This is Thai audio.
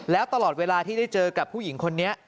แล้วตลอดเวลาที่ได้เจอกับผู้หญิงคนนี้